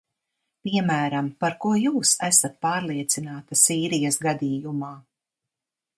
Piemēram, par ko jūs esat pārliecināta Sīrijas gadījumā?